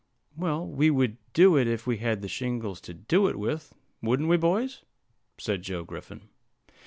"Well, we would do it, if we had the shingles to do it with wouldn't we, boys?" said Joe Griffin.